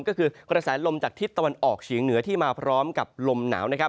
ก็คือกระแสลมจากทิศตะวันออกเฉียงเหนือที่มาพร้อมกับลมหนาวนะครับ